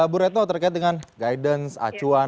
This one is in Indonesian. bu retno terkait dengan guidance acuan